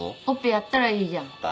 オペやったらいいじゃん。